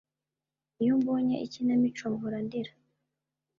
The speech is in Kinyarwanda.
Iyo mbonye ikinamico mpora ndira